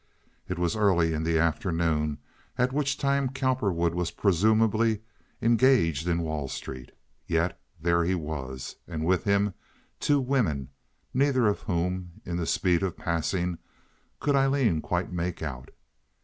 It was early in the afternoon, at which time Cowperwood was presumably engaged in Wall Street. Yet there he was, and with him two women, neither of whom, in the speed of passing, could Aileen quite make out.